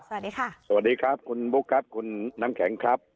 สวัสดีค่ะสวัสดีครับคุณบุ๊คครับคุณน้ำแข็งครับ